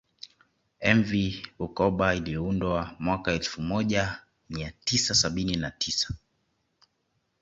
Mv Bukoba iliyoundwa mwaka elfu moja mia tisa sabini na tisa